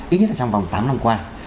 ít nhất là trong vòng tám năm qua